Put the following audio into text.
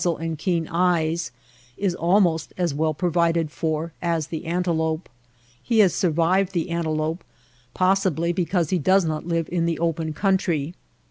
His swiftness. 166 THE DESERT zle and keen eyes, is almost as well provided for as the antelope. He has survived the antelope possibly because he does not live in the open country.